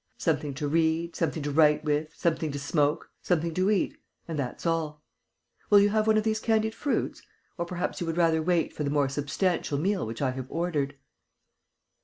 Something to read, something to write with, something to smoke, something to eat ... and that's all.... Will you have one of these candied fruits?... Or perhaps you would rather wait for the more substantial meal which I have ordered?"